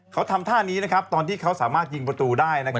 เขาทำท่านี้นะครับตอนที่เขาสามารถยิงประตูได้นะครับ